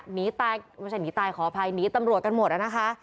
หนีตายไม่ใช่หนีตายขออภัยหนีตำรวจกันหมดนะคะ